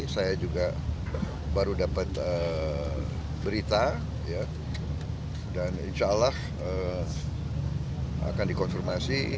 saya juga baru dapat berita dan insya allah akan dikonfirmasi